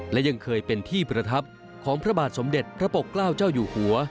และยังเคยเป็นที่ประทับของพระบาทสมเด็จพระปกเกล้าเจ้าอยู่หัว